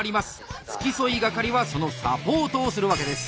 付添係はそのサポートをするわけです。